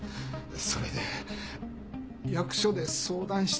それで役所で相談したら。